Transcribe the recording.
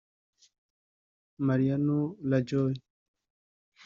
Mariano Rajoy